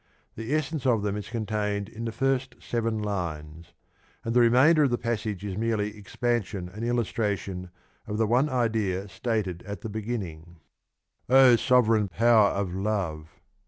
The essence of them is contained in the first seven lines, 46 tion to the second book. and the remainder of the passage is merely expansion and illustration of the one idea stated at the beginning : O sovereign power of love